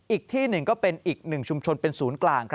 อีกที่หนึ่งก็เป็นอีกหนึ่งชุมชนเป็นศูนย์กลาง